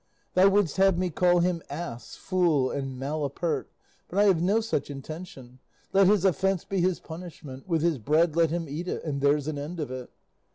Thou wouldst have me call him ass, fool, and malapert, but I have no such intention; let his offence be his punishment, with his bread let him eat it, and there's an end of it.